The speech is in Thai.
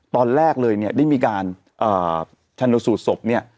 ตอนแรกเลยเนี่ยได้มีการชันนูศุสฝ์เนี๊ยะ